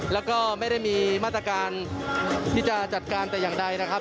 แล้วก็ไม่ได้มีมาตรการที่จะจัดการแต่อย่างใดนะครับ